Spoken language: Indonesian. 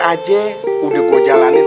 aja udah gua jalanin